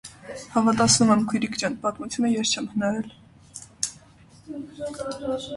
- Հավատացնում եմ, քույրիկ ջան, պատմությունը ես չեմ հնարել: